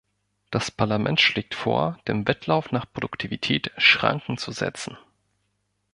Das Parlament schlägt vor, dem Wettlauf nach Produktivität Schranken zu setzen.